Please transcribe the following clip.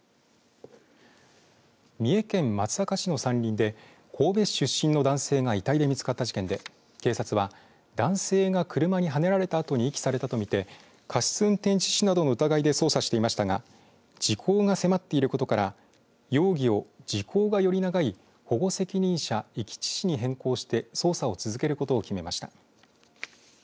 三重県松阪市の山林で神戸市出身の男性が遺体で見つかった事件で警察は男性が車にはねられたあとに遺棄されたと見て過失運転致死などの疑いで捜査していましたが時効が迫っていることから容疑を時効がより長い保護責任者遺棄致死に変更して捜査を続けることを決めました。